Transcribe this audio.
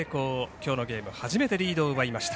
きょうのゲーム、初めてリードを奪いました。